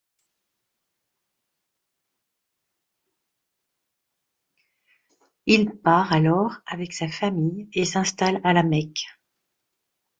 Il part alors avec sa famille et s'installe à La Mecque.